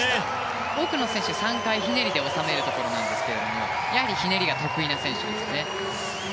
多くの選手、３回ひねりで収めるところなんですけどやはりひねりが得意な選手ですね。